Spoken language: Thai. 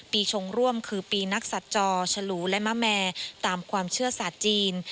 ชงร่วมคือปีนักศัตว์จอฉลูและมะแมตามความเชื่อศาสตร์จีน